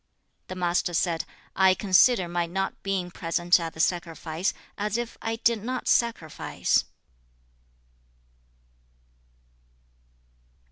2. The Master said, 'I consider my not being present at the sacrifice, as if I did not sacrifice.'